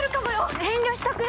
遠慮しとくよ。